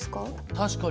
確かにね。